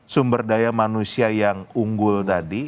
sumber daya manusia yang unggul tadi